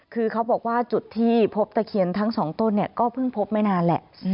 คือเขาบอกว่าจุดที่พบตะเคียนทั้ง๒ต้นก็เพิ่งพบไม่นานแหละ